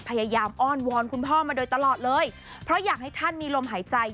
อ้อนวอนคุณพ่อมาโดยตลอดเลยเพราะอยากให้ท่านมีลมหายใจ